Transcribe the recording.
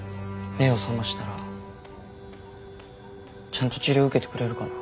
目を覚ましたらちゃんと治療受けてくれるかな。